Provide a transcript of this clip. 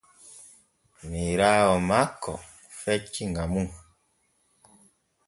Miiraawo makko fecci ŋa mum.